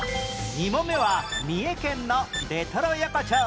２問目は三重県のレトロ横丁